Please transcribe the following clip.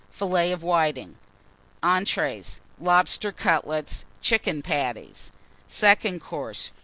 Fillets of Whitings. ENTREES. Lobster Cutlets. Chicken Patties. SECOND COURSE.